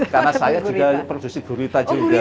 karena saya juga produksi gurita juga